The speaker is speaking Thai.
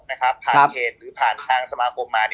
ผ่านเพจหรือผ่านทางสมาคมมา